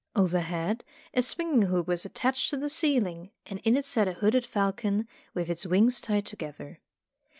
Overhead a swinging hoop was attached to the ceiling, and in it sat a hooded falcon, with its wings tied together.